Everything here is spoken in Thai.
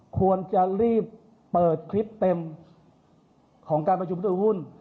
ควรจะรีบเปิดคลิปเต็มของการประชุมหุ้น